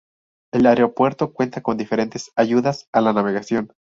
El aeropuerto cuenta con diferentes ayudas a la navegación.